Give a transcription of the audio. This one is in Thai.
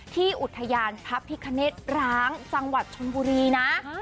ที่อุทยานพระพิคเนตรร้างจังหวัดชนบุรีนะ